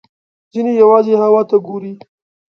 ځینې یوازې هوا ته ګوري.